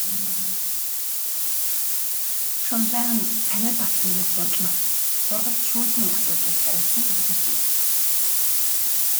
Шунлайв нь цанид дацангийн хурал ном, сургалт шүүлгийн асуудлыг хариуцан удирдана.